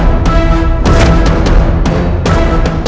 jahat dewa batahmu